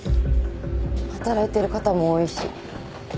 働いてる方も多いし。